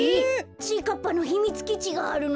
ちぃかっぱのひみつきちがあるの？